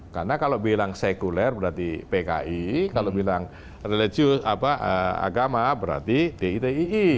karena kalau bilang sekuler berarti pki kalau bilang agama berarti ditii